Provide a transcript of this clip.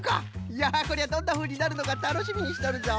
いやこりゃどんなふうになるのかたのしみにしとるぞ。